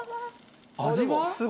味は？